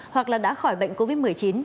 hoặc là đã khỏi bệnh covid một mươi chín